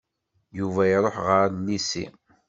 Yuba iruḥ ɣer llisi.